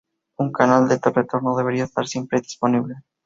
Un canal de retorno debería estar siempre disponible.